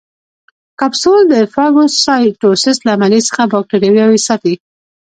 کپسول د فاګوسایټوسس له عملیې څخه باکتریاوې ساتي.